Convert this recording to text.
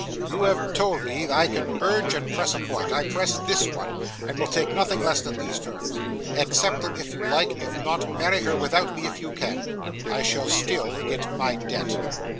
You have told me I can urge and press a point. I press this one, and will take nothing less than these terms. Accept them if you like. If not, marry her without me if you can. I shall still get my debt.